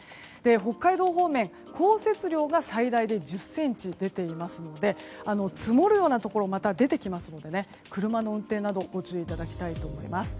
北海道方面、降雪量が最大で１０ｃｍ出ていますので積もるようなところもまた出てきますので車の運転などご注意いただきたいと思います。